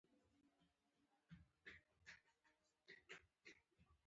د سختو کارونو کول اسانه دي ځکه رقابت پکې نشته.